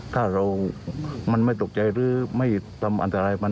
ถ้าเรามันไม่ตกใจหรือไม่ทำอันตรายมัน